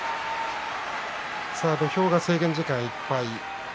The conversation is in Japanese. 土俵が制限時間いっぱいです。